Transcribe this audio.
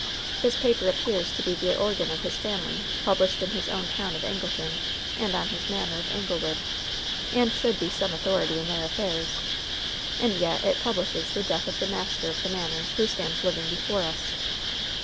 This paper ap pears to be the organ of his family, published in his own town of Angleton, and on his manor of Anglewood, and should be some authority in their affairs. And yet it publishes the death of the master of the manor, who stands living before us.